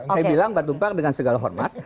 saya bilang pak tumpang dengan segala hormat